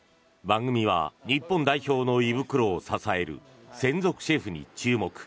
番組は日本代表の胃袋を支える専属シェフに注目。